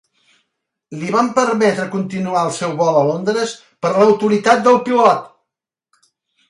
Li van permetre continuar el seu vol a Londres per l'autoritat del pilot.